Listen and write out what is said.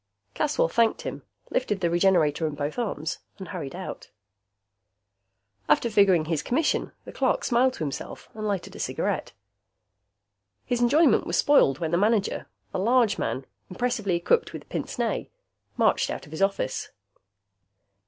Caswell thanked him, lifted the Regenerator in both arms and hurried out. After figuring his commission, the clerk smiled to himself and lighted a cigarette. His enjoyment was spoiled when the manager, a large man impressively equipped with pince nez, marched out of his office.